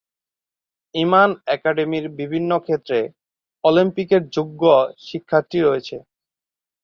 ইমান একাডেমির বিভিন্ন ক্ষেত্রে অলিম্পিকের যোগ্য শিক্ষার্থী রয়েছে।